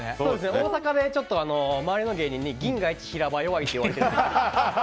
大阪で回りの芸人に銀河一平場弱いって言われてるんで。